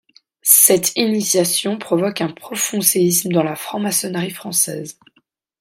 Cette initiation provoque un profond séisme dans la franc-maçonnerie française.